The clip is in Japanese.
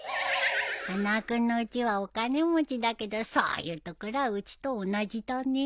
花輪君のうちはお金持ちだけどそういうところはうちと同じだね。